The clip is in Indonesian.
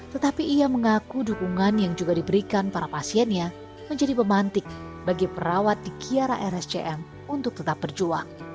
tetapi ia mengaku dukungan yang juga diberikan para pasiennya menjadi pemantik bagi perawat di kiara rscm untuk tetap berjuang